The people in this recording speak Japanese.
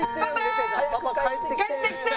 「パパ帰ってきて」。